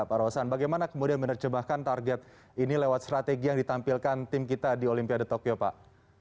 pak rosan bagaimana kemudian menerjemahkan target ini lewat strategi yang ditampilkan tim kita di olimpiade tokyo pak